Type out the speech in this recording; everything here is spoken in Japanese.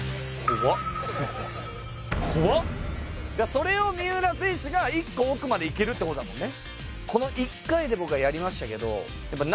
それを三浦選手が一個奥まで行けるってことだもんね。